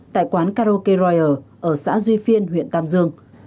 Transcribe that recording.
tại quán karaoke riyer ở xã duy phiên huyện tam dương